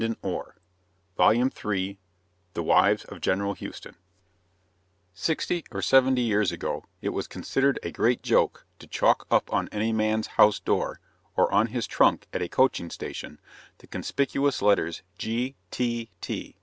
END OF VOLUME TWO THE WIVES OF GENERAL HOUSTON Sixty or seventy years ago it was considered a great joke to chalk up on any man's house door, or on his trunk at a coaching station, the conspicuous letters "G. T. T."